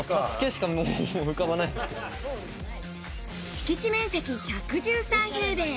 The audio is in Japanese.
敷地面積１１３平米。